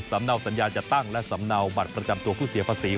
เนาสัญญาจัดตั้งและสำเนาบัตรประจำตัวผู้เสียภาษี